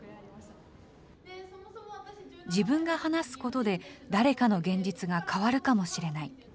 自分が話すことで、誰かの現実が変わるかもしれない。